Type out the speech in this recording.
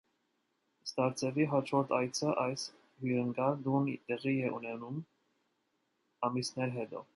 Ստարցևի հաջորդ այցը այս հյուրընկալ տուն տեղի է ունենում ամիսներ հետո։